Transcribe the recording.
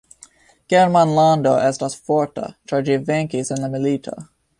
Germanlando estas forta, ĉar ĝi venkis en la milito.